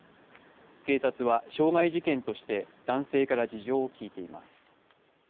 警察は、傷害事件として男性から事情を聴いています。